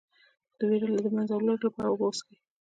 د ویرې د له منځه وړلو لپاره اوبه وڅښئ